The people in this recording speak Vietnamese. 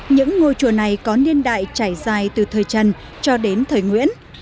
những ngôi chùa này có niên đại trải dài từ thời trần cho đến thời nguyễn